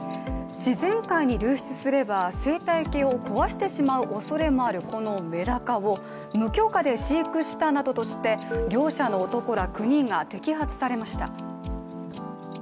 自然界に流出すれば生態系を壊してしまうおそれのある、このめだかを無許可で飼育したなどとして業者の男ら９人が摘発されました。